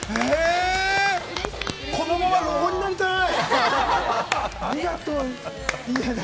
このままロゴになりたい！